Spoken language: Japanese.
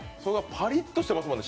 パリッとしてますもんね